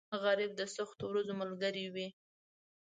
غریب د سختو ورځو ملګری وي